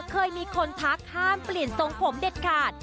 เคยมีคนทักห้ามเปลี่ยนทรงผมเด็ดขาด